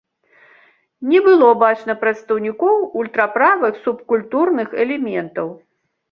Не было бачна прадстаўнікоў ультраправых субкультурных элементаў.